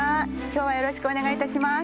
今日はよろしくお願いいたします。